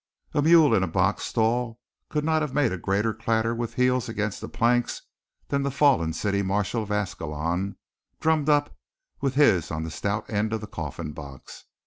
A mule in a box stall could not have made a greater clatter with heels against planks than the fallen city marshal of Ascalon drummed up with his on the stout end of the coffin box.